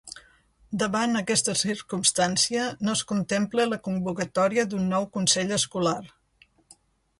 Davant aquesta circumstància, no es contempla la convocatòria d’un nou consell escolar.